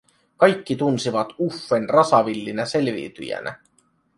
Kaikki tunsivat Uffen rasavillinä selviytyjänä.